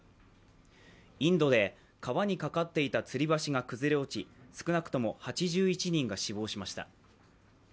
インドで川に架かっていたつり橋が崩れ落ち、少なくとも８１人が死亡しました。